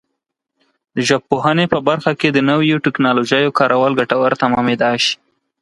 د ژبپوهنې په برخه کې د نویو ټکنالوژیو کارول ګټور تمامېدای شي.